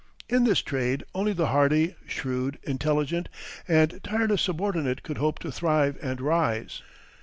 In this trade only the hardy, shrewd, intelligent, and tireless subordinate could hope to thrive and rise.